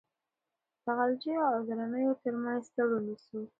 د غلجیو او درانیو ترمنځ تړون وسو.